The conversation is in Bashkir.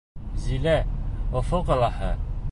Зилә, Өфө ҡалаһы.